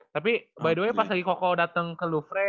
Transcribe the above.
tapi by the way pas lagi koko datang ke lufrey